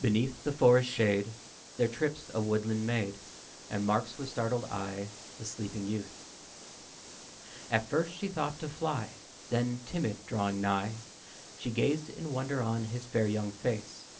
Beneath the forest shade There trips a woodland maid, And marks with startled eye the sleeping youth. At first she thought to fly, Then, timid, drawing nigh, She gazed in wonder on his fair young face.